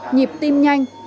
nhịp tim nhanh